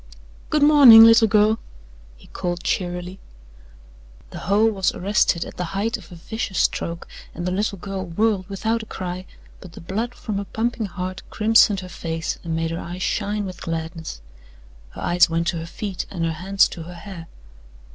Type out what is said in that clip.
"Good morning, little girl!" he called cheerily. The hoe was arrested at the height of a vicious stroke and the little girl whirled without a cry, but the blood from her pumping heart crimsoned her face and made her eyes shine with gladness. Her eyes went to her feet and her hands to her hair.